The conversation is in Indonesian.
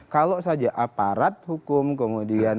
kalau saja aparat hukum